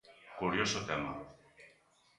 Curioso tema!.